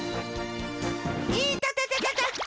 いたたたたた！